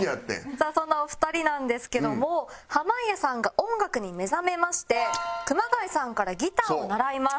さあそんなお二人なんですけども濱家さんが音楽に目覚めまして熊谷さんからギターを習います。